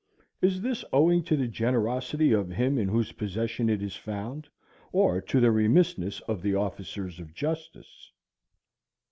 Is this owing to the generosity of him in whose possession it is found, or to the remissness of the officers of justice?